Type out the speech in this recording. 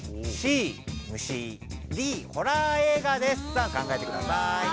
さあ考えてください。